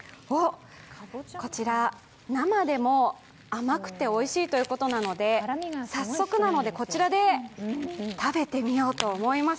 こちら、生でも甘くておいしいということなので、早速なので、こちらで食べてみようと思います。